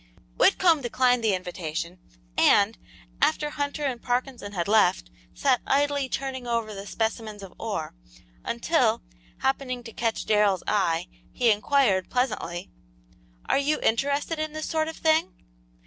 Whitcomb declined the invitation, and, after Hunter and Parkinson had left, sat idly turning over the specimens of ore, until, happening to catch Darrell's eye, he inquired, pleasantly, "Are you interested in this sort of thing?"